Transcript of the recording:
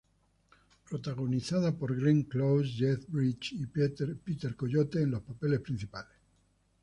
Protagonizada por Glenn Close, Jeff Bridges y Peter Coyote en los papeles principales.